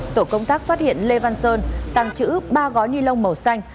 tổ công tác phát hiện lê văn sơn tàng chữ ba gói nilon màu xanh